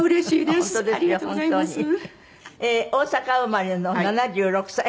大阪生まれの７６歳。